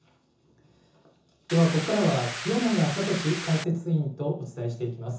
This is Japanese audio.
では、ここからは清永聡解説委員とお伝えしていきます。